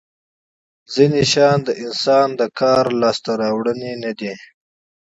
ځینې شیان د انسان د کار محصول نه دي.